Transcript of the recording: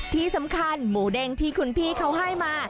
ที่สำคัญหมูเด้งที่คุณพี่เขาให้มา